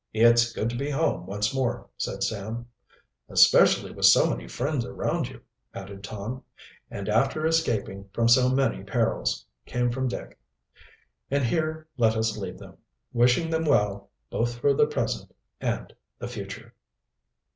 "It's good to be home once more," said Sam. "Especially with so many friends around you," added Tom. "And after escaping from so many perils," came from Dick. And here let us leave them, wishing them well, both for the present and the future.